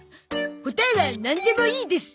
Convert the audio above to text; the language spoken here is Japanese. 答えはなんでもいいです。